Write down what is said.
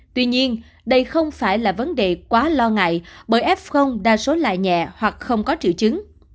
tuy nhiên đây không phải là vấn đề quá lo ngại bởi f đa số lại nhẹ hoặc không có triệu chứng